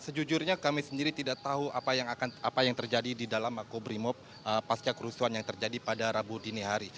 sejujurnya kami sendiri tidak tahu apa yang terjadi di dalam makobrimob pasca kerusuhan yang terjadi pada rabu dini hari